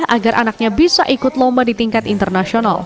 agar anaknya bisa ikut lomba di tingkat internasional